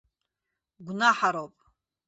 Гәнаҳароуп.